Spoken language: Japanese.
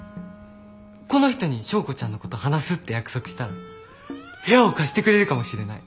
この人に昭子ちゃんのこと話すって約束したら部屋を貸してくれるかもしれない。